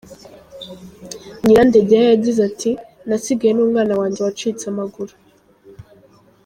Nyirandegeya yagize ati “ nasigaye n’umwana wanjye wacitse amaguru.